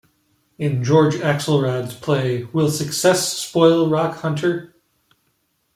In George Axelrod's play Will Success Spoil Rock Hunter?